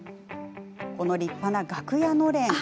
この立派な楽屋のれん。